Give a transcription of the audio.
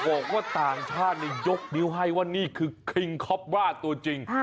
บอกว่าต่างชาติยกนิ้วให้ว่านี่คือคริงคอปบร่าตัวจริง